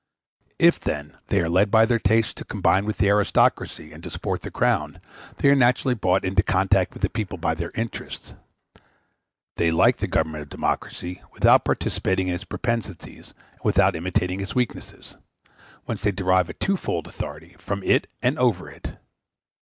If, then, they are led by their tastes to combine with the aristocracy and to support the Crown, they are naturally brought into contact with the people by their interests. They like the government of democracy, without participating in its propensities and without imitating its weaknesses; whence they derive a twofold authority, from it and over it.